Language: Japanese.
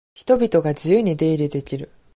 人々が自由に出入りできる。